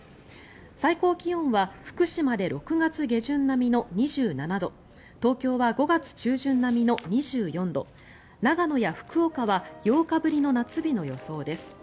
最高気温は福島で６月下旬並みの２７度東京は５月中旬並みの２４度長野や福岡は８日ぶりの夏日の予想です。